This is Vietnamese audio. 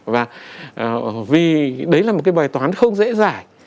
và vì đấy là một cái bài toán không dễ giải